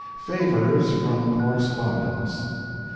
FAVORS FROM CORRESPONDENTS.